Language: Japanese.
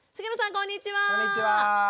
こんにちは！